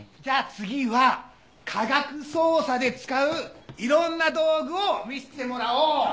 じゃあ次は科学捜査で使ういろんな道具を見せてもらおう。